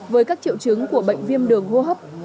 với các triệu chứng của bệnh viêm đường hô hấp